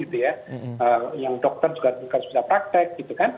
dokter juga harus bisa praktek